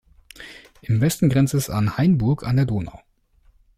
Im Westen grenzt es an Hainburg an der Donau.